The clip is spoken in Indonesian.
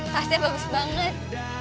pasti bagus banget